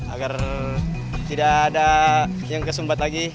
agar tidak ada yang kesumbat lagi